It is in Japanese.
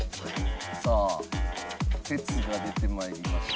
さあ鉄が出てまいりました。